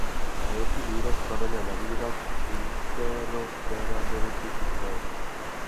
Velký důraz klademe na význam interoperability systému.